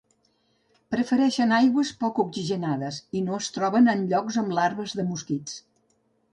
Prefereixen aigües poc oxigenades i no es troben en llocs amb larves de mosquits.